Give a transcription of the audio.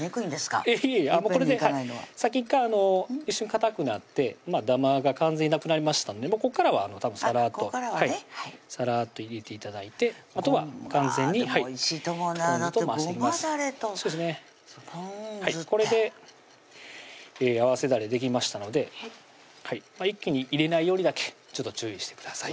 いえいえもうこれでさっき１回一瞬かたくなってダマが完全になくなりましたんでここからはたぶんサラッとここからはねサラッと入れて頂いてあとは完全にでもおいしいと思うなだってごまだれとぽん酢ってこれで合わせだれできましたので一気に入れないようにだけちょっと注意してください